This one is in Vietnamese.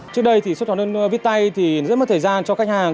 trước đây xuất hóa đơn viết tay rất mất thời gian cho khách hàng